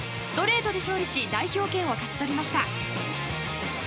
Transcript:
ストレートで勝利し代表権を勝ち取りました。